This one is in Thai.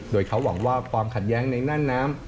โดยเขาหวังว่าความขัดแย้งในน่านน้ำ